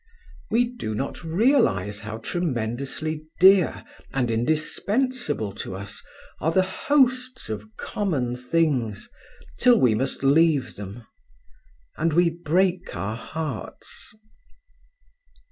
We do not realize how tremendously dear and indispensable to us are the hosts of common things, till we must leave them, and we break our hearts.